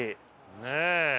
ねえ。